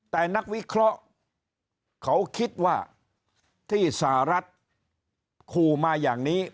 แต่นักวิเคราะห์เขาคิดว่าที่สหรัฐขู่มาอย่างนี้